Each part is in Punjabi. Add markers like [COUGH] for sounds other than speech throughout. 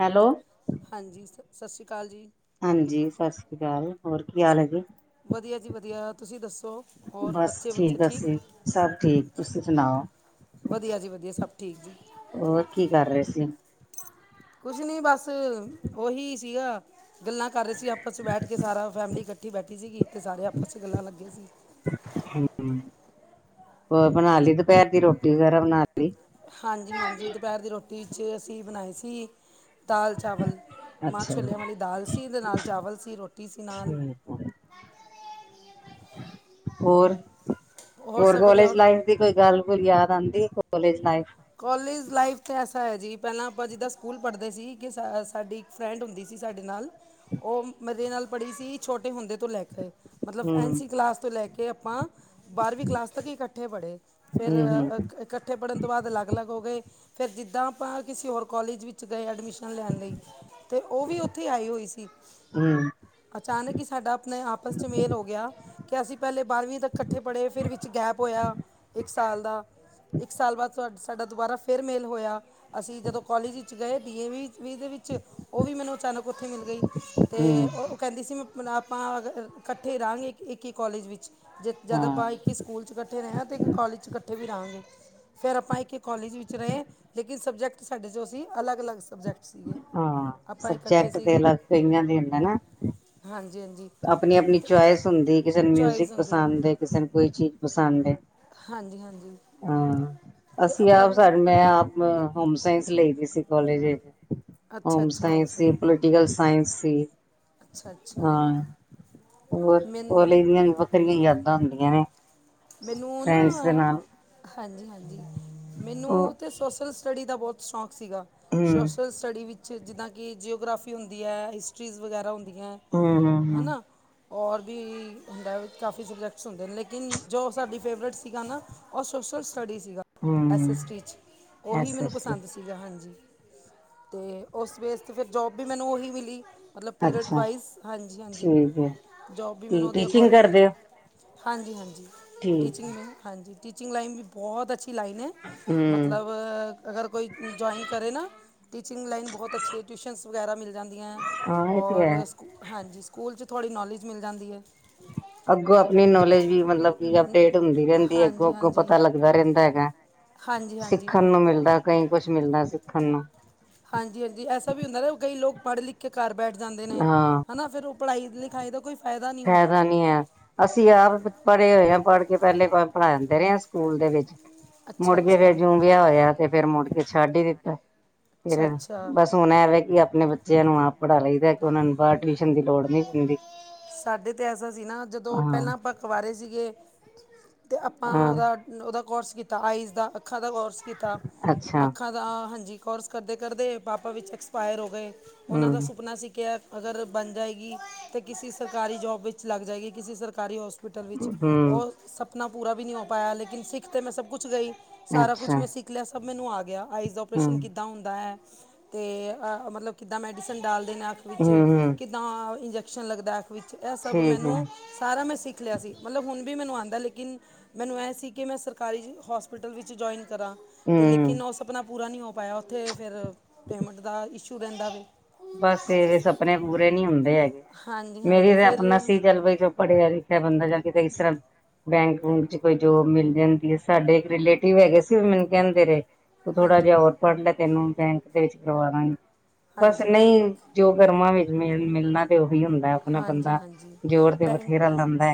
ਹੈਲੋ। ਹਾਂਜੀ ਸਤਿ ਸ੍ਰੀ ਅਕਾਲ ਜੀ। ਹਾਂਜੀ ਸਤਿ ਸ੍ਰੀ ਅਕਾਲ ਹੋਰ ਕੀ ਹਾਲ ਹੈ ਜੀ। ਵਧੀਆ ਜੀ ਵਧੀਆ ਤੁਸੀਂ ਦੱਸੋ ਹੋਰ ਬਸ ਬੱਚੇ ਬੁੱਚੇ ਠੀਕ ਅਸੀਂ। ਸਭ ਠੀਕ, ਤੁਸੀਂ ਸੁਣਾਓ? ਵਧੀਆ ਜੀ ਵਧੀਆ ਸਭ ਠੀਕ ਜੀ। ਹੋਰ ਕੀ ਕਰ ਰਹੇ ਸੀ। ਕੁਛ ਨੀ ਬਸ ਓਹੀ ਸੀਗਾ ਗੱਲਾਂ ਕਰ ਰਹੇ ਸੀ ਆਪਸ 'ਚ ਬੈਠ ਕੇ ਸਾਰਾ ਫੈਮਲੀ ਠੀ ਬੈਠੀ ਸੀਗੀ ਤੇ ਸਾਰੇ ਆਪਸ 'ਚ ਗੱਲਾਂ ਲੱਗੀ ਸੀ। [INAUDIBLE] ਹ ਹੋ ਬਣਾ ਲਈ ਦੁਪਹਿਰ ਦੀ ਰੋਟੀ ਵਗੈਰਾ ਬਣਾ ਲ ਹਾਂਜੀ- ਹਾਂਜੀ ਦੁਪਹਿਰ ਦੀ ਰੋਟੀ ਵਿੱਚ ਅਸੀਂ ਬਣਾਈ ਸੀ। ਦਾਲ ਚਾਵਲ ਮਾਂ ਅੱਛਾ ਜੀ, ਛੋਲਿਆਂ ਵਾਲੀ ਦਾਲ ਸੀ ਦੇ ਨਾਲ ਚਾਵਲ ਸੀ ਰੋਟੀ ਸੀ ਨਾਲ [INAUDIBLE] ਹੋਰ -ਹੋਰ ਸਭ ਵਧੀਆ ਕੋਲਜ ਹੋਰ ਲਾਈਫ ਦੀ ਕੋਈ ਗੱਲ ਗੁਲ ਯਾਦ ਗਾਂਦੀ ਕੋਲੇਜ ਲਾਈਫ ਕੋਲਜ ਲਾਈਫ ਤੇ ਐਸਾ ਹੈ ਜੀ ਪਹਿਲਾਂ ਆਪਾਂ ਜਿੱਦਾਂ ਸਕੂਲ ਪੜ੍ਹਦੇ ਸੀ ਕਿ ਸਾਡੀ ਇੱਕ ਫਰੈਂਡ ਹੁੰਦੀ ਸੀ। ਸਾਡੇ ਨਾਲ ਉਹ ਮੇਰੇ ਨਾਲ ਪੜ੍ਹੀ ਸੀ ਛੋਟੇ ਹੁੰਦੇ ਤੋਂ ਲੈ ਕੇ ਮਤਲਬ ਹੂੰ, ਐਨਸੀ ਕਲਾਸ ਤੋਂ ਲੈ ਕੇ ਆਪਾਂ ਬਾਰਵੀਂ ਕਲਾਸ ਤੱਕ ਇਕੱਠੇ ਪੜ੍ਹੇ ਫਿਰ ਹੂੰ, ਹੂੰ, ਇਕੱਠੇ ਪੜਨ ਤੋਂ ਬਾਅਦ ਅਲੱਗ -ਅਲੱਗ ਹੋ ਗਏ ਫੇਰ ਜਿੱਦਾਂ ਆਪਾਂ ਕਿਸੇ ਹੋਰ ਕਾਲਜ ਵਿੱਚ ਗਏ ਐਡਮਿਸ਼ਨ ਲੈਣ ਲਈ ਤੇ ਉਹ ਵੀ ਉੱਥੇ ਆਈ ਹੋਈ ਸੀ। ਅਚਾਨਕ ਹੀ ਸਾਡਾ ਆਪਣੇ ਆਪਸ 'ਚ ਮੇਲ ਹੋ ਗਿਆ। ਕਿ ਅਸੀਂ ਪਹਿਲੇ ਬਾਰ੍ਹਵੀਂ ਤੱਕ ਇਕੱਠੇ ਪੜ੍ਹੇ ਫਿਰ ਵਿੱਚ ਗੈਪ ਹੋਇਆ ਇੱਕ ਸਾਲ ਦਾ ਇੱਕ ਸਾਲ ਬਾਅਦ ਤੁਹਾਡ ਸਾਡਾ ਦੁਬਾਰਾ ਫੇਰ ਮੇਲ ਹੋਇਆ ਅਸੀਂ ਜਦੋਂ ਕੋਲਜ ਗਏ ਡੀ ਏ ਵੀ ਵੀ ਦੇ ਵਿੱਚ ਉਹ ਵੀ ਮੈਨੂੰ ਅਚਾਨਕ ਉੱਥੇ ਮਿਲ ਗਈ ਤੇ ਹੂੰ, ਉਹ ਕਹਿੰਦੀ ਸੀ ਮੈਂ ਮਲਬ ਆਪਾਂ ਅਗਰ ਇਕੱਠੇ ਰਹਾਂਗੇ ਇੱਕ ਇੱਕ ਹੀ ਕੋਲਜ ਵਿੱਚ ਜ ਜਦ ਆਪਾਂ ਹਾਂ। ਇੱਕ ਹੀ ਸਕੂਲ 'ਚ ਇਕੱਠੇ ਰਹੇ ਹ ਤੇ ਇੱਕ ਕਾਲਜ ਚ ਇਕੱਠੇ ਵੀ ਰਹਾਂਗੇ ਫੇਰ ਆਪਾਂ ਇੱਕ ਕੋਲਜ ਵਿੱਚ ਰਹੇ ਲੇਕਿਨ ਸਬਜੈਕਟ ਸਾਡੇ 'ਚ ਅਸੀਂ ਅਲੱਗ -ਅਲੱਗ ਸੀ। ਹਾਂ ਸਬਜ਼ਕਟ ਤੇ ਸੀਗੇ ਅਲਗ ਕਈਆ ਦੇ ਹੁੰਦੇ ਨਾ। ਹਾਂਜੀ ਹਾਂਜੀ ਆਪਣੀ -ਆਪਣੀ ਚੁਆਇਸ ਹੁੰਦੀ ਕਿਸੇ ਨੂੰ ਚੋਇਸ ਮਿਊਜਿਕ ਹੁੰਦੀ ਪਸੰਦ ਹੈ ਕਿਸੇ ਨੂੰ ਕੋਈ ਚੀਜ਼ ਪਸੰਦ ਏ। ਹਾਂਜੀ- ਹਾਂਜੀ ਹਾਂ ਅਤੇ ਅਸੀਂ ਆਪਣਾ ਆਪ ਆਪਣਾ ਸਰ ਮੈਂ ਆਪ ਹੋਮ ਸਾਇੰਸ ਲਈ ਦੀ ਸੀ ਕਾਲਜ ਵਿੱਚ ਹੋਮ ਸਾਇੰਸ ਸੀ ਪੋਲੀਟੀਕਲ ਸਾਇੰਸ ਸੀ। ਅੱਛਾ- ਅੱਛਾ ਹਾਂ ਹੋਰ ਕੋਲਜ ਮੈਨੂੰ ਦੀਆਂ ਵੀ ਵੱਖਰੀਆਂ ਯਾਦਾਂ ਹੁੰਦੀਆਂ ਨੇ। ਮੈਨੂੰ ਨਾ ਫਰੈਂਡਸ ਦੇ ਨਾਲ ਹਾਂਜੀ- ਹਾਂਜੀ ਉਹ ਮੈਨੂੰ ਤੇ ਸੋਸ਼ਲ ਸਟੱਡੀ ਦਾ ਬਹੁਤ ਸ਼ੌਕ ਸੀਗਾ ਹਮ ਸੋਸ਼ਲ ਸਟੱਡੀ ਵਿੱਚ ਛੇ ਜਿੱਦਾਂ ਕਿ ਜਿਓਗ੍ਰਾਫੀ ਹੁੰਦੀ ਹੈ ਹਿਸਟਰੀਜ਼ ਵਗੈਰਾ ਹੁੰਦੀਆਂ ਹਮ ਹਮ ਹਨਾ। ਹੋਰ ਵੀ ਹੁੰਦਾ ਕਾਫੀ ਸਬਜੈਕਟਸ ਹੁੰਦੇ ਨੇ ਲੇਕਿਨ ਜੋ ਸਾਡੀ ਫੇਵਰੇਟ ਸੀਗਾ ਨਾ ਔਰ ਸੋਸ਼ਲ ਸਟਡੀ ਸੀਗਾ ਐਸ ਹਮ ਐਸ ਟੀ 'ਚ ਉਹੀ ਐਸ ਮੈਨੂੰ ਐਸ ਟੀ ਪਸੰਦ ਸੀਗਾ ਹਾਂਜੀ। ਤੇ ਉਸ ਬੇਸ ਫਿਰ ਜੋਬ ਵੀ ਮੈਨੂੰ ਓਹੀ ਮਿਲੀ। ਮਤਲਬ ਪੀਰੀਅਡ ਅੱਛਾ ਵਾਈਜ਼ ਹਾਂਜੀ -ਹਾਂਜੀ ਠੀਕ ਹੈ ਜੋਬ ਵੀ ਮੈਨੂੰ ਤੇ ਉਹਦੇ ਟੀਚਿੰਗ ਅਕੋਡਿੰਗ ਕਰਦੇ ਮਿਲੀ। ਹੋ ਹਾਂਜੀ -ਹਾਂਜੀ ਠੀਕ ਹੈ ਟੀਚਿੰਗ ਹਾਂਜੀ ਟੀਚਿੰਗ ਲਾਈਨ ਵੀ ਬਹੁਤ ਅੱਛੀ ਲਾਈਨ ਹੈ ਹਮ ਮਤਲਬ ਅਗਰ ਕੋਈ ਜੁਆਇਨ ਕਰੇ ਨਾ ਟੀਚਿੰਗ ਲਾਈਨ ਬਹੁਤ ਅੱਛੀ ਹੈ ਟਿਊਸ਼ਨਸ ਵਗੈਰਾ ਮਿਲ ਜਾਂਦੀਆਂ ਹਾਂ ਇਹ ਤੇ ਹੈ ਔਰ ਸਕੂ ਹਾਂਜੀ ਸਕੂਲ 'ਚ ਥੋੜ੍ਹੀ ਨੌਲੇਜ ਮਿਲ ਜਾਂਦੀ ਏ ਅੱਗੋਂ ਆਪਣੀ ਨੌਲੇਜ ਵੀ ਮਤਲਬ ਕੀ ਅਪਡੇਟ ਹੁੰਦੀ ਰਹਿੰਦੀ ਅੱਗੋਂ- ਹਾਂਜੀ ਅੱਗੋਂ ਹਾਂਜੀ ਪਤਾ ਲੱਗਦਾ ਰਹਿੰਦਾ ਹੈਗਾ। ਹਾਂਜੀ ਹਾਂਜੀ ਸਿੱਖਣ ਨੂੰ ਮਿਲਦਾ ਕਈ ਕੁਛ ਮਿਲਦਾ ਸਿੱਖਣ ਨੂੰ ਹਾਂਜੀ -ਹਾਂਜੀ ਐਸਾ ਵੀ ਹੁੰਦਾ ਨਾ ਕਈ ਲੋਕ ਪੜ੍ਹ ਲਿਖ ਕੇ ਘਰ ਬੈਠ ਜਾਂਦੇ ਨੇ ਹਾਂ ਹਨਾ ਫੇਰ ਉਹ ਪੜ੍ਹਾਈ ਲਿਖ ਖਾਇਦਾ ਕੋਈ। ਨਹੀਂ ਹੁੰਦਾ ਫਾਇਦਾ ਨਹੀਂ ਹੈ ਅਸੀਂ ਆਪ ਪੜ੍ਹੇ ਹੋਏ ਹਾਂ। ਪੜ੍ਹ ਕੇ ਪਹਿਲੇ ਪੜ੍ਹਾਂਦੇ ਰਹੇ ਸਕੂਲ ਦੇ ਵਿੱਚ। ਅੱਛਾ ਮੁੜਕੇ ਫੇਰ ਅੱਛਾ ਜੂੰ ਵਿਆਹ ਹੋਇਆ ਤੇ ਫੇਰ ਮੁੜਕੇ ਛੱਡ ਹੀ ਦਿੱਤਾ। ਅੱਛਾ ਫਿਰ ਅੱਛਾ ਬਸ ਹੁਣ ਐਵੇਂ ਕਿ ਆਪਣੇੇ। ਬੱਚਿਆਂ ਨੂੰ ਆਪ ਪੜ੍ਹਾ ਲਈਦਾ ਕਿ ਉਹਨਾਂ ਨੂੰ ਬਾਹਰ ਟਿਊਸ਼ਨ ਦੀ ਲੋੜ ਨਹੀਂ ਪੈਂਦੀ। ਸਾਡੇ ਤੇ ਐਸਾ ਸੀ ਨਾ ਜਦੋਂ ਹਾਂ ਪਹਿਲਾਂ ਆਪਾਂ ਕਵਾਰੇ ਸੀਗੇ। ਤੇ ਆਪਾਂ ਹਾਂ ਉਹਦਾ ਓਦਾ ਕੋਰਸ ਕੀਤਾ ਆਈਜ ਦਾ ਅੱਖਾਂ ਦਾ ਕੋਰਸ। ਕੀਤਾ ਅੱਛਾ ਅੱਖਾਂ ਦਾ ਹਾਂਜੀ ਕੋਰਸ ਕਰਦੇ ਕਰਦੇ ਪਾਪਾ ਵਿੱਚ ਐਕਸਪਾਇਰ ਹੋ ਗਏ। ਉਹਨਾਂ ਦਾ ਹਮ ਸੁਪਨਾ ਸੀ ਕਿਹਾ ਅਗਰ ਬਣ ਜਾਏਗੀ ਤਾਂ ਕਿਸੀ। ਸਰਕਾਰੀ ਜੋਬ ਵਿੱਚ ਲੱਗ ਜਾਏਗੀ। ਕਿਸੇ ਸਰਕਾਰੀ ਹੋਸਪਿਟਲ ਵਿੱਚ ਹਮ ਉਹ ਸਭ। ਸੁਪਨਾ ਪੂਰਾ ਵੀ ਨਹੀਂ ਹੋ ਪਾਇਆ। ਲੇਕਨ ਸਿੱਖ ਤੇ ਮੈਂ ਸਭ ਕੁਛ ਗਈ। ਸਾਰਾ ਕੁਛ ਅੱਛਾ ਮੈਂ ਸਿੱਖ ਲਿਆ। ਸਭ ਮੈਨੂੰ ਆ ਗਿਆ ਆਈਜ਼ ਓਪਰੇਸ਼ਨ ਹਮ ਕਿੱਦਾਂ ਹੁੰਦਾ ਹੈ। ਤੇ ਮਤਲਬ ਕਿੱਦਾਂ ਮੈਡੀਸਨ ਡਾਲਦੇ ਨੇ ਅੱਖ ਵਿੱਚ ਹਮ ਹਮ ਕਿੱਦਾਂ ਇੰਜ। ਲੱਗਦਾ ਵਿੱਚ ਇਹ ਸਭ ਠੀਕ ਹੈ ਮੈਨੂੰ ਸਾਰਾ ਮੈਂ ਸਿੱਖ ਲਿਆ ਸੀ। ਮਤਲਬ ਹੁਣ ਵੀ ਮੈਨੂੰ ਆਉਂਦਾ ਲੇਕਿਨ ਮੈਨੂੰ ਇਹ ਸੀ ਕਿ ਮੈਂ ਸਰਕਾਰੀ ਹੋਸਪਿਟਲ ਵਿੱਚ ਜੁਆਇਨ। ਕਰਾਂ ਤੇ ਹਮ ਲੇਕਿਨ ਉਹ ਸਪਨਾ ਪੂਰਾ ਨਹੀਂ ਹੋ ਪਾਇਆ ਉੱਥੇ ਫਿਰ ਪੇਮੈਂਟ ਦਾ ਇਸ਼ੂ ਰਹਿੰਦਾ ਵੈ। ਬਸ ਇਹਵੇਂ ਸਪਨੇ ਪੂਰੇ ਨਹੀਂ ਹੁੰਦੇ ਹੈਗੇ ਹਾਂਜੀ ਮੇਰੀ ਹਾਂਜੀ ਕਿ ਫਿਰ ਆਪਣਾ ਸੀ ਚਲ ਬਈ ਪੜ੍ਹਿਆ ਲਿਖਿਆ ਬੰਦਾ ਜਾਂ ਕਿਤੇ ਇਸ ਤਰ੍ਹਾਂ। ਬੈਂਕ ਬੁੰਕ ਚ ਕੋਈ ਜੋਬ ਮਿਲ ਜਾਂਦੀ ਹੈ। ਸਾਡੇ ਇੱਕ ਰਿਲੇਟਿਵ ਹੈਗੇ ਸੀ ਮੈਨੂੰ ਕਹਿੰਦੇ ਰਹੇ। ਤੂੰ ਥੋੜ੍ਹਾ ਹਾਂਜੀ ਜਿਹਾ ਹੋਰ ਪੜ੍ਹ ਲੈ ਤੈਨੂੰ ਬੈਂਕ ਦੇ ਵਿੱਚ ਕਰਵਾ ਦਵਾਂਗੇ। ਹਾਂਜੀ। ਬੈਂਕ ਨਹੀਂ ਜੋ ਕਰਮਾ ਵਿੱਚ ਮਿਲ ਮਿਲਣਾ ਤੇ ਓਹੀ ਆ। ਵੀ ਹੁੰਦਾ ਆਪਣਾ ਹਾਂਜੀ ਬੰਦਾ ਹਾਂਜੀ ਜੋਰ ਤੇ ਬੈਂਕ ਬਥੇਰਾ ਲਾਉਂਦਾ।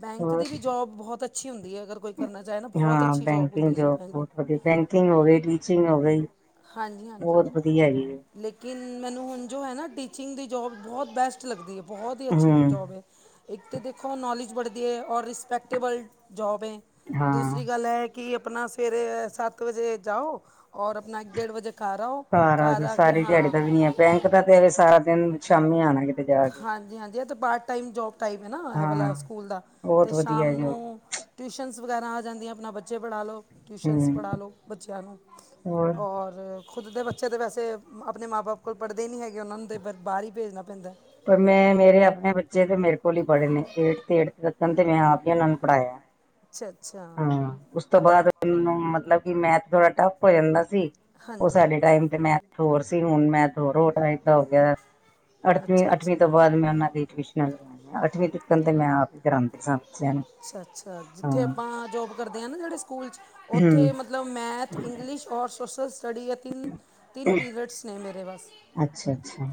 ਬੈਂਕ ਹੋਰ ਦੀ ਵੀ ਜੋਬ ਬਹੁਤ ਅੱਛੀ ਹੁੰਦੀ ਐ ਅਗਰ ਕੋਈ ਕਰਨਾ ਚਾਹੇ ਨਾ ਬਹੁਤ ਅੱਛੀ ਜੋਬ ਹੁੰਦੀ ਜੀ ਬੈਂਕ ਦੀ। ਕੁਕਿੰਗ ਗਈ ਟੀਚਿੰਗ ਹੋ ਗਈ। ਹਾਂਜੀ-ਹਾਂਜੀ ਬਹੁਤ ਵਧੀਆ ਹੈਗੀ ਲੇਕਿਨ। ਮੈਨੂੰ ਹੁਣ ਜੋ ਹੈਨਾ ਟੀਚਿੰਗ ਦੀ ਜੋਬ ਬੋਹਤ ਬੈਸਟ ਲੱਗਦੀ ਐ ਬੋਹਤ ਹੀ ਅੱਛੀ ਹਮ ਜੋਬ ਐ। ਇੱਕ ਤਾਂ ਦੇਖੋ ਨੌਲੇਜ ਬੜਦੀ ਐ ਔਰ ਰਿਸਪੈਕਟੇਬਲ ਜੋਬ ਐ ਹਾਂ ਦੂਸਰੀ ਗੱਲ ਐ ਕਿ। ਕਿ ਆਪਣਾ ਸਵੇਰੇ ਸੱਤ ਵਜੇ ਜਾਓ ਔਰ ਆਪਣਾ ਇੱਕ ਡੇਢ ਵਜੇ। ਘਰ ਆਓ ਘਰ ਆ ਜਾਓ ਕੇ ਸਾਰੀ ਦਿਹਾੜੀ ਹਾਂ ਦਾ ਵੀ ਨੀ ਹੈ ਬੈਂਕ ਦਾ ਤੇ ਸਾਰਾ ਦਿਨ ਸ਼ਾਮੀ ਆਣਾ ਹੈਗਾ। ਹਾਂਜੀ-ਹਾਂਜੀ ਐ ਤਾਂ ਪਾਰਟ ਟਾਈਮ ਜੋਬ ਟਾਈਪ ਐ ਨਾ ਐ ਵਾਲਾ ਹਾਂ ਸਕੂਲ ਦਾ ਤੇ ਬਹੁਤ ਵਧੀਆ ਸ਼ਾਮ ਜੀ ਨੂੰ ਉਹ ਟਿਊਸ਼ਨਸ। ਵਗੈਰਾ ਆ ਜਾਂਦੀਆਂ ਆਪਣਾ ਬੱਚੇ ਪੜ੍ਹਾ ਲਉ ਟਿਊਸ਼ਨਸ ਪੜ੍ਹਾ ਹੂੰ ਲਉ ਬੱਚਿਆਂ ਨੂੰ ਹੋਰ ਔਰ। ਖੁਦ ਦੇ ਬੱਚੇ ਤਾਂ ਵੈਸੇ ਆਪਣੇ ਮਾਂ ਬਾਪ ਕੋਲ ਪੜ੍ਹਦੇ ਈ ਨੀ ਹੈਗੇ ਓਨਾਂ ਨੂੰ ਤੇ ਫੇਰ ਬਾਹਰ ਹੀ ਭੇਜਣਾ ਪੈਂਦਾ। ਪਰ ਮੈਂ ਮੇਰੇ ਆਪਣੇ ਬੱਚੇ ਤੇ ਮੇਰੇ ਕੋਲ ਈ ਪੜ੍ਹੇ ਨੇ ਏਟ ਤੇ ਏਟਥ ਤੱਕਣ ਤੇ ਮੈਂ ਆਪ ਹੀ ਓਨਾਂ ਨੂੰ ਪੜ੍ਹਾਇਆ। ਅੱਛਾ-ਅੱਛਾ। ਹਾਂ ਉਸ ਤੋਂ ਬਾਅਦ ਮੈਨੂੰ ਮਤਲਬ ਕਿ ਮੈਥ ਥੋੜ੍ਹਾ ਟੱਫ ਹੋ ਜਾਂਦਾ। ਸੀ ਉਹ ਹਾਂਜੀ ਸਾਡੇ ਟਾਈਮ ਤੇ ਮੈਂਥ ਹੋਰ ਸੀ ਹੁਣ ਮੈਂਥ ਹੋਰ ਟਾਈਪ ਦਾ ਹੋ ਗਿਆ। ਅੱਠਵੀ ਅੱਛਾ ਅੱਛਾ ਅੱਠਵੀਂ ਤੋਂ ਬਾਅਦ ਮੈਂ ਓਨਾਂ ਦੀ ਟਿਊਸ਼ਨਾਂ ਲਵਾਈਆਂ ਅੱਠਵੀਂ ਤੱਕਣ ਤੇ ਮੈਂ ਆਪ ਈ ਕਰਾਉਂਦੀ ਸਾਂ। ਬੱਚਿਆਂ ਨੂੰ। ਅੱਛਾ-ਅੱਛਾ ਜਿੱਥੇ ਹਾਂ ਆਪਾਂ ਜੋਬ ਕਰਦੇ ਆ ਨਾ ਜੇੜ੍ਹੇ ਸਕੂਲ 'ਚ ਹੂੰ ਉੱਥੇ ਮਤਲਬ ਮੈਥ ਇੰਗਲਿਸ਼ ਔਰ। ਸੋਸ਼ਲ ਸਟੱਡੀ ਜਾਂ ਤਿੰਨ-ਤਿੰਨ ਪੀਰੀਅਡਸ ਨੇ ਮੇਰੇ ਵੱਲ। ਅੱਛਾ-ਅੱਛਾ।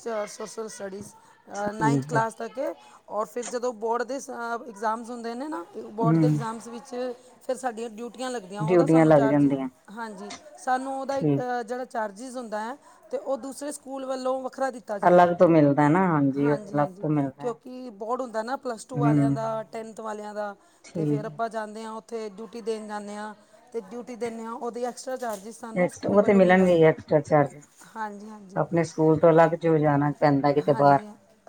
ਸੋਸ਼ਲ ਸਟੱਡੀਜ਼ ਨਾਈਨਥ ਠੀਕ ਹੈ ਕਲਾਸ ਤੱਕ ਏ ਔਰ ਫਿਰ ਜਦੋਂ ਬੋਰਡ ਦੇ ਸ ਅ ਇਗਜ਼ਾਮਸ ਹੁੰਦੇ ਨੇ ਨਾ ਬੋਰਡ ਦੇ ਹੂੰ ਇਗਜ਼ਾਮਸ ਵਿੱਚ ਫਿਰ ਸਾਡੀਆਂ ਡਿਊਟੀ। ਟੀਆਂ ਲੱਗਦੀਆਂ ਓਦਾ ਡਿਊਟੀਆਂ ਸਾਨੂੰ ਲੱਗ ਚਾਰਜਿਜ ਜਾਂਦੀਆਂ ਹਾਂਜੀ ਸਾਨੂੰ ਓਦਾ ਈ ਠੀਕ ਜੇੜਾ। ਚਾਰਜਿਜ ਹੁੰਦਾ ਐ ਤੇ ਓ ਦੂਸਰੇ ਸਕੂਲ ਵੱਲੋਂ। ਵੱਖਰਾ ਦਿੱਤਾ ਜਾਂਦਾ ਅਲੱਗ ਤੋਂ ਮਿਲਦਾ ਨਾ ਹਾਂਜੀ ਉਹ ਅਲੱਗ ਹਾਂਜੀ-ਹਾਂਜੀ ਤੋਂ ਮਿਲਦਾ ਕਿਉਂਕਿ ਬੋਰਡ ਹੁੰਦਾ ਨਾ ਪਲੱਸ ਟੂ ਵਾਲਿਆਂ ਹੂੰ ਦਾ। ਟੈਂਥ ਵਾਲਿਆਂ ਦਾ ਤੇ ਠੀਕ ਫੇਰ ਆਪਾਂ ਹੈ ਜਾਂਦੇ ਆ। ਉਥੇ ਡਿਊਟੀ ਦੇਣ ਜਾਂਨੇ ਆ। ਤੇ ਡਿਊਟੀ ਦਿਨੇ ਆ ਓਦੀ ਐਕਸਟਰਾ। ਚਾਰਜਿਸ ਸਾਨੂੰ ਐਕਸਟਰਾ ਸਕੂਲ ਉਹ ਤੇ ਵੱਲੋਂ ਮਿਲ ਮਿਲਣਗੇ ਜਾਂਦੇ ਐਕਸਟਰਾ ਚਾਰਜਿਜ। ਹਾਂਜੀ ਹਾਂਜੀ ਆਪਣੇ ਸਕੂਲ ਤੋਂ ਅਲੱਗ ਚ ਜਾਣਾ ਪੈਂਦਾ ਕਿਤੇ ਬਾਰ ਹਾਂਜੀ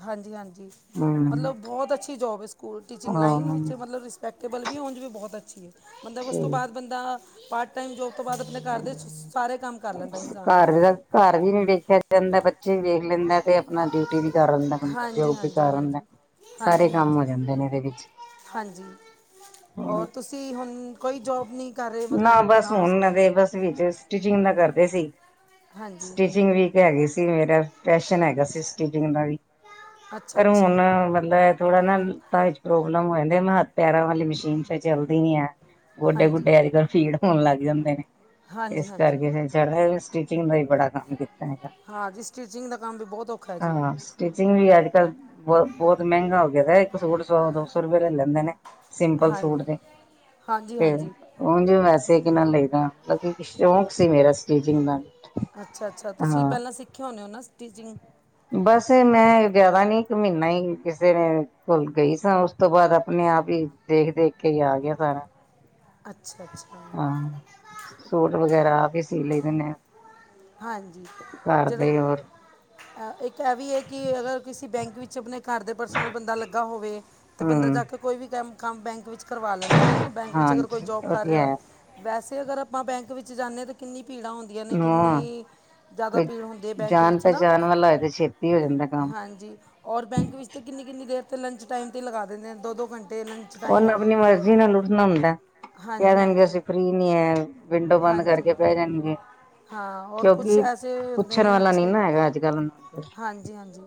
ਹਾਂਜੀ ਹਾਂਜੀ ਹੂੰ ਮਤਲਬ ਬਹੁਤ ਅੱਛੀ ਜੋਬ ਐ ਸਕੂਲ ਟਿ ਚਿੰਗ ਲਾਈਨ ਹਾਂ ਵਿੱਚ ਮਤਲਬ ਰਿਸਪੈਕਟੇਬਲ ਵੀ ਉਂਜ ਵੀ ਬੋਹਤ ਅੱਛੀ ਐ ਮਤਲਬ ਉਸ ਤੋਂ ਠੀਕ ਬਾਦ ਬੰਦਾ ਪਾਰਟ ਟਾਈਮ ਜੋ [UNINTELLIGIBLE] ਇਨਸਾਨ ਘਰ ਦਾ ਘਰ ਵੀ ਨੀ ਦੇਖਿਆ ਜਾਂਦਾ ਬੱਚੇ ਵੀ ਵੇਖ ਲੈਂਦਾ ਤੇ ਆਪਣਾ ਡਿਊਟੀ ਵੀ ਕਰ ਲੈਂਦਾ ਬੰਦਾ ਹਾਂਜੀ ਜੋਬ ਵੀ ਹਾਂਜੀ ਕਰ [UNINTELLIGIBLE] ਹਾਂਜੀ ਸਾਰੇ ਹਾਂਜੀ ਕੰਮ ਹਾਂਜੀ ਹੋ ਜਾਂਦੇ ਨੇ ਏਦੇ ਵਿੱਚ ਹੋਰ ਤੁਸੀਂ ਹੁਣ ਕੋਈ ਜੋਬ ਨੀ ਕਰ ਰੇ ਮਤਲਬ ਨਾ ਬਸ ਹੁਣ ਦੇ [UNINTELLIGIBLE] ਬਸ ਵਿੱਚ ਸਟਿਚਿੰਗ ਦਾ ਕਰਦੇ ਸੀ ਹਾਂਜੀ ਸਟਿਚਿੰਗ ਵੀ [UNINTELLIGIBLE] ਸੀ ਮੇਰਾ ਪੈਸ਼ਨ ਹੈਗਾ ਸੀ ਸਟੀਚਿੰਗ ਦਾ ਵੀ ਅੱਛਾ ਪਰ ਹੁਣ ਅੱਛਾ ਮਤਲਬ ਥੋੜਾ ਨਾ ਪੈਰ ਚ ਪ੍ਰੋਬਲਮ ਹੋ ਜਾਂਦੀ ਐ ਮੈਂ ਹ ਪੈਰਾਂ ਵਾਲੀ ਮਸ਼ੀਨ ਤਾਂ ਚੱਲਦੀ ਨੀ ਐ ਗੋਡੇ ਹਾਂਜੀ ਗੁੱਡੇ ਅੱਜ ਕੱਲ੍ਹ ਪੀੜ ਹੋਣ ਲੱਗ ਜਾਂਦੇ ਨੇ ਹਾਂਜੀ ਇਸ ਕਰਕੇ ਹਾਂਜੀ ਫਿਰ [UNINTELLIGIBLE] [UNINTELLIGIBLE] ਦਾ ਵੀ ਬੜਾ ਕੰਮ ਏ [UNINTELLIGIBLE] ਹਾਂ ਜੀ ਸਟਿਚਿੰਗ ਦਾ ਕੰਮ ਵੀ ਬਹੁਤ ਔਖਾ ਹੈ ਜੀ ਹਾਂ ਸਟੀਿਚਿੰਗ ਵੀ ਅੱਜ ਕੱਲ ਬੋ ਬੋਤ ਮਹਿੰਗਾ ਹੋ ਗਿਆ ਇੱਕ ਸੂਟ ਸੌ ਦੋ ਸੌ ਰੁਪਏ ਲੈ ਲੈਂਦੇ ਨੇ। ਸਿੰਪਲ ਸੂਟ ਹਾਂਜੀ ਦੇ ਹਾਂਜੀ ਫੇਰ ਹਾਂਜੀ ਉਂਜ ਵੈਸੇ ਕਿੰਨਾ ਲਈਦਾ ਮਤਲਬ ਕਿ ਸ਼ੌਕ ਸੀ ਮੇਰਾ ਸਟੀਚਿੰਗ ਦਾ ਅੱਛਾ-ਅੱਛਾ ਤੁਸੀਂ ਹਾਂ ਪਹਿਲਾਂ ਸਿੱਖੇ ਹੋਣੇ ਓ ਨਾ ਸਟਿਚਿੰਗ ਬਸ ਮੈਂ ਜਾਦਾ ਨੀ ਇੱਕ ਮੀਨਾ ਈ ਕਿਸੇ ਨੇ ਕੋਲ ਗਈ ਸਾਂ ਉਸ ਤੋਂ ਬਾਅਦ ਆਪਣੇ ਆਪ ਈ ਦੇਖ-ਦੇਖ ਕੇ ਈ ਆ ਗਿਆ ਸਾਰਾ। ਅੱਛਾ ਅੱਛਾ ਹਾਂ ਸੂਟ ਵਗੈਰਾ ਵੀ ਸੀ ਲਈ ਦੇ ਨੇ ਹਾਂਜੀ ਘਰ ਜਦੋਂ ਦੇ ਹੋਰ ਅ ਇੱਕ ਤਾਂ ਐ ਵੀ ਐ ਕੀ ਅਗਰ ਕਿਸੇ ਬੈਂਕ ਵਿੱਚ ਆਪਣੇ ਘਰ ਦੇ ਪਰਸਨਲ ਬੰਦਾ ਲੱਗਾ ਹੋਵੇ ਤੇ ਬੰਦਾ ਹਮ ਜਾ ਕੇ ਕੋਈ ਵੀ ਕੰਮ। ਕੰਮ ਬੈਂਕ ਵਿੱਚ ਕਰਵਾ ਲੈਂਦਾ ਨਾ ਬੈਂਕ ਵਿੱਚ ਅਗਰ ਕੋਈ ਹਾਂਜੀ ਜੋਬ ਉਹ ਕਰ ਤੇ ਰਿਆ ਹੋ ਹੈ ਵੈਸ ਅਗਰ ਆਪਾਂ ਬੈਂਕ ਵਿੱਚ ਜਾ ਜਾਂਦੇ ਹਾਂ ਤਾਂ ਕਿੰਨੀ ਭੀੜਾਂ ਹੁੰਦੀਆਂ ਨੇ ਹਾਂ ਕਿੰਨੀ ਜ਼ਿਆਦਾ ਕੋਈ ਭੀੜ ਹੁੰਦੀ ਹੈ ਬੈਂਕ ਜਾਣ ਵਿੱਚ ਨਾ ਪਹਿਚਾਣ ਵਾਲਾ ਇਹਦਾ ਛੇਤੀ ਹੋ ਜਾਂਦਾ ਕੰਮ ਹਾਂਜੀ ਔਰ ਬੈਂਕ ਵਿੱਚ ਤੇ ਕਿੰਨੀ ਕਿੰਨੀ ਦੇਰ ਤੇ ਲੰਚ ਟਾਈਮ ਤੇ ਲਗਾ ਦਿੰਦੇ ਆ ਦੋ ਦੋ ਘੰਟੇ ਲੰਚ ਉਹਨੂੰ ਟਾਈਮ ਆਪਣੀ ਮਰਜ਼ੀ ਨਾਲ ਉੱਠਣਾ ਹੁੰਦਾ ਕਹ ਹਾਂਜੀ ਦੇਣਗੇ ਹਾਂਜੀ ਅਸੀਂ ਫਰੀ ਨਹੀ ਹੈ ਵਿੰਡੋ ਬੰਦ ਕਰਕੇ ਪੈ ਜਾਣਗੇ ਹਾਂ ਹੋਰ ਕੁਛ ਕਿਉਂਕਿ ਐਸੇ ਹੁੰਦੇ ਪੁੱਛਣ ਨੇ ਵਾਲਾ ਨੀ ਅੱਛੇ ਨਾ ਹੈਗਾ ਅੱਜ ਕੱਲ ਉਹਨਾਂ ਨੂੰ ਹਾਂਜੀ ਹਾਂਜੀ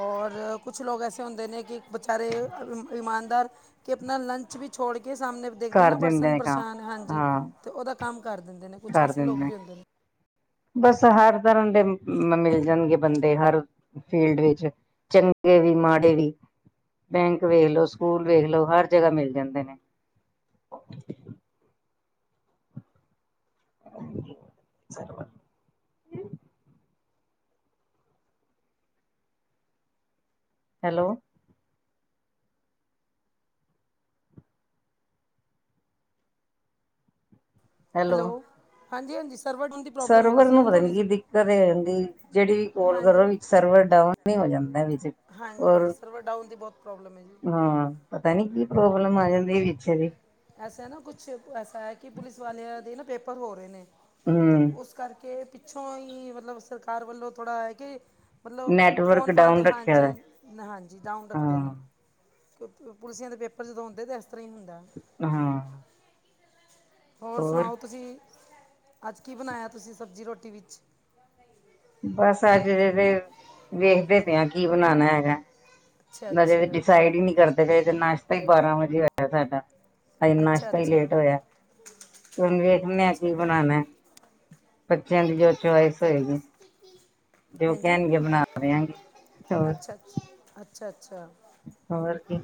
ਔਰ ਕੁਛ ਲੋਕ ਐਸੇ ਹੁੰਦੇ ਨੇ ਕਿ ਬੇਚਾਰੇ ਈਮਾਨਦਾਰ ਕੇ ਆਪਣਾ ਲੰਚ ਵੀ ਛੜ ਕੇ ਸਾਹਮਣੇ ਦੇਖਦੇ ਕਰ ਨਾ ਦਿੰਦੇ ਪਰਸਨ ਨੇ ਕੰਮ ਪਰੇਸਾਨ ਹਾਂਜੀ ਹਾਂ ਤੇ ਉਹਦਾ ਕੰਮ ਕਰ ਦਿੰਦੇ ਨੇ ਕੁਛ ਕਰ ਐਸੇ ਲੋਕ ਦਿੰਦੇ ਵੀ ਹੁੰਦੇ ਨੇ ਬਸ ਹਰ ਤਰ੍ਹਾਂ ਦੇ ਮਿਲ ਜਾਣਗੇ ਬੰਦੇ ਹਰ ਫੀਲਡ ਵਿੱਚ ਚੰ ਗੇ ਵੀ ਮਾੜੇ ਵੀ ਬੈਂਕ ਵੇਖ ਲੋ ਸਕੂਲ ਵੇਖ ਲਓ ਹਰ ਜਗ੍ਹਾ ਮਿਲ ਜਾਂਦੇ ਨੇ [UNINTELLIGIBLE] [UNINTELLIGIBLE] ਹੈਲੋ ਹੈਲੋ ਹਾਂਜੀ ਹਾਂਜੀ ਸਰਵਰ ਡਾਊਨ ਦੀ ਪ੍ਰੋਬਲਮ ਹੋ ਗਈ ਸਰਵਰ ਸੀ ਨੂੰ ਜੀ ਪਤਾ ਨੀ ਥੋੜ੍ਹੀ ਕੀ ਜਿਹੀ ਦਿੱਕਤ ਇਹ ਹਦੀ ਜਿਹੜੀ ਵੀ ਕੋਲ ਹਾਂਜੀ ਕਰੋ ਸਰਵਰ ਡਾਊਨ ਨੁੰ ਜਾਂਦਾ ਵਿੱਚ ਹਾਂਜੀ ਹਾਂਜੀ ਔਰ ਸਰਵਰ ਡਾਊਨ ਦੀ ਬਹੁਤ ਪ੍ਰੋਬਲਮ ਹੈ ਜੀ ਹਾਂ ਪਤਾ ਨੀ ਕੀ ਪ੍ਰੋਬਲਮ ਆ ਜਾਂਦੀ ਵਿਚ ਦੀ ਐਸਾ ਨਾ ਕੁਛ ਐਸਾ ਹੈ ਕਿ ਪੁਲਿਸ ਵਾਲਿਆਂ ਦੇ ਨਾ ਪੇਪਰ ਹੋ ਰਹੇ ਨੇ ਤੇ ਹਮ ਉਸ ਕਰਕੇ ਪਿੱਛੋਂ ਹੀ ਮਤਲਬ ਸਰਕਾਰ ਵੱਲੋਂ ਥੋੜ੍ਹਾ ਹੈ ਕਿ ਮਤਲਬ ਨੈਟਵਰਕ ਫੋਨ ਫਦੇ ਡਾਊਨ ਰੱਖਿਆ ਹਾਂਜੀ ਦਾ ਹਾਂਜੀ ਡਾਊਨ ਰੱਖਦੇ ਨੇ ਹਾਂ ਪੁਲਿਸੀਆਂ ਦੇ ਪੇਪਰ ਜਦੋਂ ਹੁੰਦੇ ਤੇ ਹਾਂ ਹੋਰ ਸੁਣਾਓ ਤੁਸੀਂ ਅੱਜ ਕੀ ਬਣਾਇਆ ਤੁਸੀਂ ਸਬਜ਼ੀ ਰੋਟੀ ਵਿੱਚ ਬਸ ਅਜੇ ਤੇ ਵੇਖਦੇ ਪਏ ਆ ਕੀ ਬਣਾਉਣਾ ਹੈਗਾ। ਅੱਛਾ ਅਜੇ ਅੱਛਾ ਡਿਸਾਈਡ ਹੀ ਨੀ ਕਰਦੇ ਤੇ, ਨਾਸ਼ਤਾ ਹੀ ਬਾਰਾਂ ਵਜੇ ਹੋਇਆ ਸਾਡਾ। ਅੱਜ ਅੱਛਾ ਨਾਸ਼ਤਾ ਹੀ ਅੱਛਾ ਲੇਟ ਹੋਇਆ, ਤੇ ਹੁਣ ਵੇਖਦੇ ਆ ਅੱਛਾ ਅੱਛਾ। ਕੀ ਬਣਾਉਣਾ। ਬੱਚਿਆਂ ਦੀ ਜੋ ਚੁਆਇਸ ਹੋਏਗੀ। ਤੇ ਉਹ ਹਾਂਜੀ ਕਹਿਣਗੇ ਬਣਾ ਦਿਆਂਗੇ ਹੋਰ ਅੱਛਾ ਅੱਛਾ ਅੱਛਾ ਅੱਛਾ ਹੋਰ ਕੀ,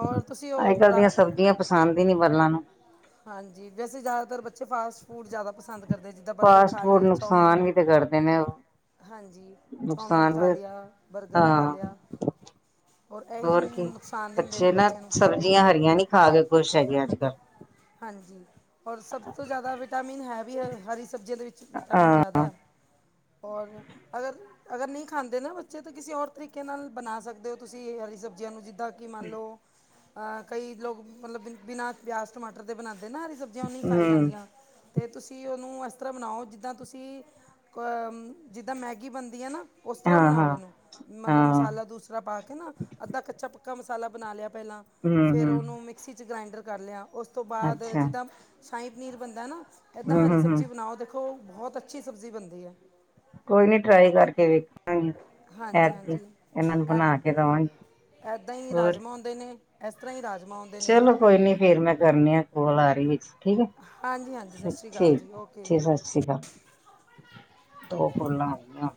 ਔਰ ਤੁਸੀਂ ਅੱਜ ਉਹ ਕੱਲ ਦੀਆਂ ਰਾ- ਸਬਜ਼ੀਆਂ ਪਸੰਦ ਹੀ ਨੀ ਬੱਲਾਂ ਨੂੰ ਹਾਂਜੀ ਵੈਸੇ ਜ਼ਿਆਦਾਤਰ ਬੱਚੇ ਫਾਸਟ ਫੂਡ ਜ਼ਿਆਦਾ ਪਸੰਦ ਕਰਦੇ ਜਿੱਦਾਂ ਬਰਗਰ ਫਾਸਟ ਖਾ ਫੂਡ, ਲਈ ਚੌਮਿਨ ਨੁਕਸਾਨ ਵੀ ਤੇ ਕਰਦੇ ਨੇ ਉਹ। ਹਾਂਜੀ, ਚੌਮਿਨ ਨੁਕਸਾਨ ਖਾ ਵੀ ਲਿਆ, ਬਰਗਰ ਖਾ ਹਾਂ ਲਿਆ। ਔਰ ਇਹੀ ਹੋਰ ਕੀ ਨੁਕਸਾਨ ਦਿੰਦੇ ਨੇ ਬੱਚੇ ਨਾ, ਨੂੰ ਸਬਜ਼ੀਆਂ ਹਰੀਆਂ ਨੀ ਖਾ ਕੇ ਖੁਸ਼ ਹੈਗੇ ਅੱਜ ਕੱਲ। ਹਾਂਜੀ, ਔਰ ਸਭ ਤੋਂ ਜ਼ਿਆਦਾ ਵਿਟਾਮਿਨ ਹੈ ਵੀ ਹਰੀ ਸਬਜ਼ੀਆਂ ਦੇ ਵਿੱਚ। ਵਿਟਾਮਿਨ ਹਾਂ ਜ਼ਿਆਦਾ। ਹੋਰ ਅਗਰ, ਅਗਰ ਨਹੀਂ ਖਾਂਦੇ ਨਾ, ਬੱਚੇ ਤਾਂ ਕਿਸੇ ਹੋਰ ਤਰੀਕੇ ਨਾਲ ਬਣਾ ਸਕਦੇ ਹੋ ਤੁਸੀਂ ਇਹ ਸਬਜ਼ੀਆਂ ਨੂੰ ਜਿੱ ਕਿ ਮੰਨ ਲਓ, ਕਈ ਲੋਕ ਮਤਲਬ ਬਿਨਾਂ ਪਿਆਜ ਟਮਾਟਰ ਦੇ ਬਣਾਉਂ ਨਾ ਦੀ ਸਬਜ਼ੀਆਂ, ਉਹ ਨਹੀਂ ਖਾਈ ਹੂੰ ਜਾਂਦੀਆਂ। ਅਤੇ ਤੁਸੀਂ ਉਹਨੂੰ ਇਸ ਤਰ੍ਹਾਂ ਬਣਾਓ, ਜਿੱਦਾਂ ਤੁਸੀਂ ਕ ਜਿੱਦਾਂ ਮੈਗੀ ਬਣਦੀ ਹੈ ਨਾ। ਉਸ ਤਰ੍ਹਾਂ ਹਾਂ ਬਣਾਓ, ਹਾਂ ਇਹਨੂੰ ਮਤਲਬ ਹਾਂ ਮਸਾਲਾ ਦੂਸਰਾ ਪਾ ਕੇ ਨਾ ਅੱਧਾ ਕੱਚਾ- ਪੱਕਾ ਮਸਾਲਾ ਬਣਾ ਲਿਆ। ਪਹਿਲਾਂ, ਹੂੰ ਫੇਰ ਹੂੰ ਉਹਨੂੰ ਮਿਕਸੀ ਚ ਗ੍ਰਾਇੰਡਰ ਕਰ ਲਿਆ, ਉਸ ਤੋਂ ਬਾਅਦ ਅੱਛਾ ਜਿੱਦਾਂ ਸ਼ਾਹੀ ਪਨੀਰ ਬਣਦਾ ਨਾ ਏਦਾਂ ਹੂੰ ਹਰੀ ਹੂੰ ਹੂੰ ਸਬਜ਼ੀ ਬਣਾਓ, ਦੇਖੋ ਬਹੁਤ ਅੱਛੀ ਸਬਜ਼ੀ ਬਣਦੀ ਆ। ਕੋਈ ਨੀ ਟਰਾਈ ਕਰਕੇ ਵੇਖ ਹਾਂਜੀ- ਹਾਂਜੀ, ਨੂੰ ਐ ਬਣਾ ਕੇ ਦੇਵਾਂਗੀ ਏਦਾਂ ਹੀ ਹੋਰ ਰਾਜਮਾਂ ਹੁੰਦੇ ਨੇ ਇਸ ਤਰ੍ਹਾਂ ਹੀ ਰਾਜ ਚਲੋ ਕੋਈ ਨੀ ਫੇਰ ਮੈਂ ਕਰਨੀ ਆ, ਕੋਲ ਆ ਰਹੀ ਵਿੱਚ। ਠੀਕ ਹੈ, ਹਾਂਜੀ ਹਾਂਜੀ ਸਤਿ ਠੀਕ, ਸ਼੍ਰੀ ਅਕਾਲ ਜੀ ਠੀਕ ਓਕੇ ਸਤਿ ਸ਼੍ਰੀ ਅਕਾਲ। ਦੋ ਕੋਲਾਂ ਆਈਆਂ।